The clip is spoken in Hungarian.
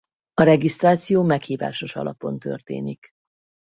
A regisztráció meghívásos alapon történik.